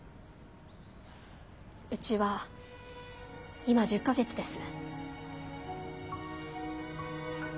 うちは今１０か月です。